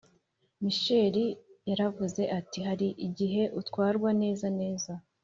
Misheli yaravuze ati hari igihe utwarwa neza neza